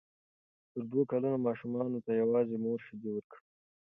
تر دوو کلونو ماشومانو ته یوازې مور شیدې ورکړئ.